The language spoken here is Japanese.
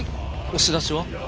押し出しは？